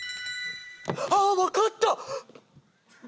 あっ分かった！